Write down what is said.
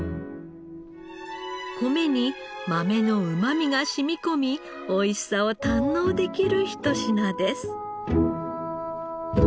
米に豆のうまみが染み込みおいしさを堪能できるひと品です。